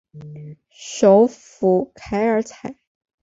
首府凯尔采。